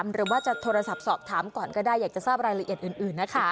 หรือว่าจะโทรศัพท์สอบถามก่อนก็ได้อยากจะทราบรายละเอียดอื่นนะคะ